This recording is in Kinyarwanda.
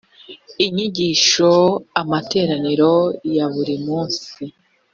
inyigisho amateraniro ya buri munsi